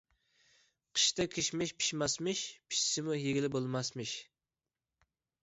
قىشتا كىشمىش پىشماسمىش، پىشسىمۇ يېگىلى بولماسمىش.